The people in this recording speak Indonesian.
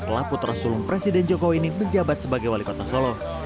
setelah putra sulung presiden jokowi ini menjabat sebagai wali kota solo